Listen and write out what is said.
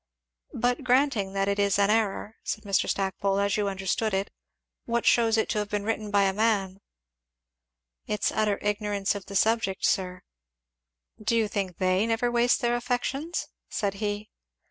"But granting that it is an error," said Mr. Stackpole, "as you understood it, what shews it to have been made by a man?" "Its utter ignorance of the subject, sir." "You think they never waste their affections?" said he.